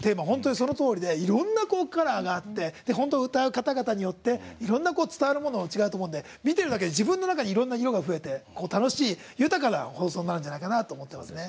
そのとおりでいろんなカラーがあって本当、歌う方々によっていろんな伝わるものも違うと思うので見てるだけで、自分の中にいろんな色が増えて明るい豊かな放送になるんじゃないかなと思います。